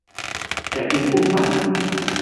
อยากกินกุ้งปะ